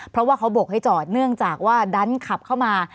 เพราะว่าเขาบกให้จอดเนื่องจากว่าดันขับเข้ามา